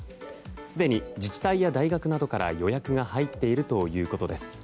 すでに自治体や大学などから予約が入っているということです。